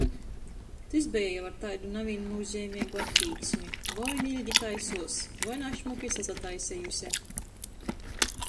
Tys beja jau ar taidu navīnnūzeimeigu attīksmi - voi nu ilgi taisuos, voi našmuki sasataisiejuse.